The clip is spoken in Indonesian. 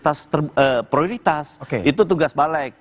nah itu prioritas itu tugas balik